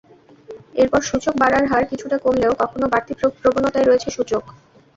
এরপর সূচক বাড়ার হার কিছুটা কমলেও এখনো বাড়তি প্রবণতায় রয়েছে সূচক।